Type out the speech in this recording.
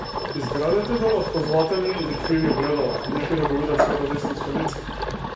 Изградете го од позлатени или криви огледала, некои да го видат своето вистинско лице.